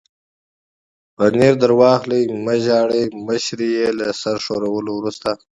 پنیر در واخلئ، مه ژاړئ، مشرې یې له سر ښورولو وروسته.